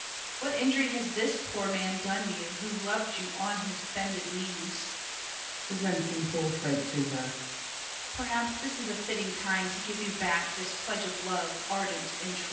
What injury has this poor man done you, Who loved you on his bended knees? [Presenting portrait to her. Perhaps This is a fitting time to give you back This pledge of love ardent and true.